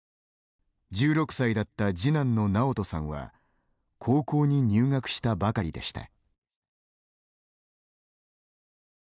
１６歳だった次男の直人さんは高校に入学したばかりでした。